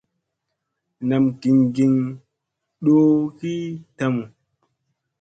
Nam gin gin doo ki tamu.